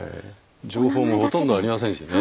情報もほとんどありませんしね。